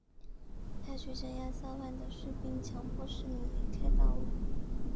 派去镇压骚乱的士兵强迫市民离开道路。